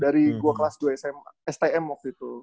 dari gue kelas dua stm waktu itu